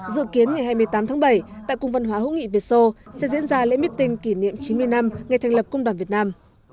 dự kiến ngày hai mươi tám tháng bảy tại cung văn hóa hữu nghị việt sô sẽ diễn ra lễ meeting kỷ niệm chín mươi năm ngày thành lập công đoàn việt nam